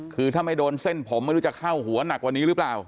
คือถ้าไม่โดนเส้นผมไม่รู้จะเข้าหัวหนักกว่านี้หรือเปล่า